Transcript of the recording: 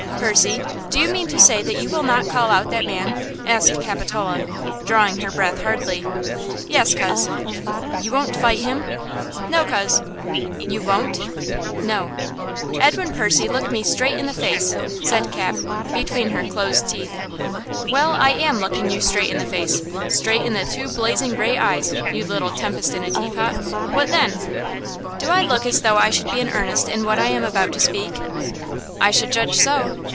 "Percy, do you mean to say that you will not call out that man?" asked Capitola, drawing her breath hardly. "Yes, coz." "You won't fight him?" "No, coz." "You won't? "No." "Edwin Percy, look me straight in the face!" said Cap, between her closed teeth. "Well, I am looking you straight in the face–straight in the two blazing grey eyes, you little tempest in a teapot–what then?" "Do I look as though I should be in earnest in what I am about to speak?" "I should judge so."